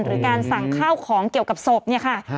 หรือการสั่งข้าวของเกี่ยวกับศพเนี่ยค่ะ